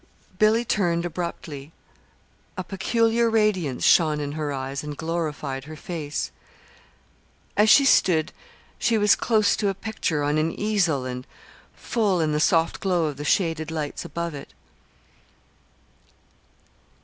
Billy turned abruptly. A peculiar radiance shone in her eyes and glorified her face. As she stood, she was close to a picture on an easel and full in the soft glow of the shaded lights above it.